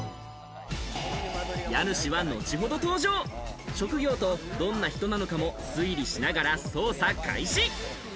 家主は後ほど登場、職業とどんな人なのかも推理しながら捜査開始！